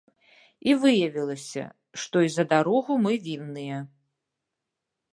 І выявілася, што і за дарогу мы вінныя.